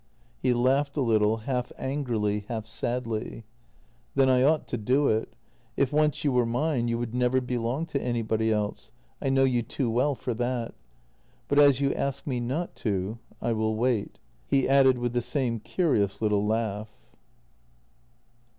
He laughed a little, half angrily, half sadly. " Then I ought to do it. If once you were mine you would never belong to anybody else — I know you too well for that — but as you ask me not to, I will wait:" he added, with the same curious little laugh.